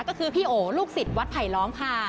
ก็คือพี่โอลูกศิษย์วัดไผลล้อมค่ะ